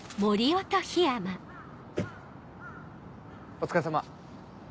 お疲れさま。